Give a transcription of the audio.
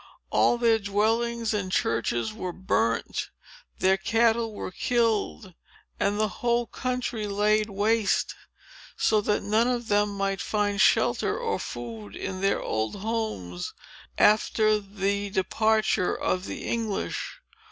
All their dwellings and churches were burnt, their cattle were killed, and the whole country was laid waste, so that none of them might find shelter or food in their old homes, after the departure of the English.